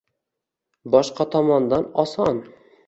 boshqa tomondan oson.